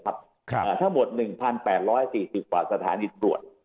ทั้งหมด๑๘๔๐กว่าสถานีตรวจ